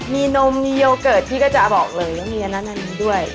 มีนมมีโยเกิร์ตที่ก็จะอาบออกเลยแล้วมีอันนั้นด้วย